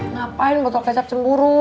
ngapain botol kecap cemburu